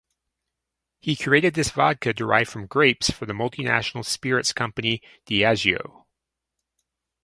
He created this vodka derived from grapes for the multinational spirits company Diageo.